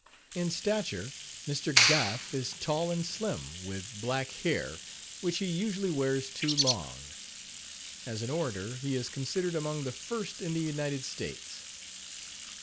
In stature, Mr. Gough is tall and slim, with black hair, which he usually wears too long. As an orator, he is considered among the first in the United States.